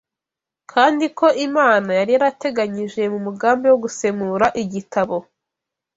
kandi ko Imana yari yarayateganyije mu mugambi wo gusemura igitabo